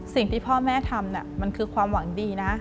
สิ่งที่พ่อแม่ทำมันคือความหวังดีนะ